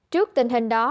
trước tình hình đó